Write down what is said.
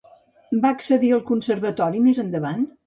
Va accedir al Conservatori més endavant?